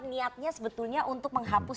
niatnya sebetulnya untuk menghapus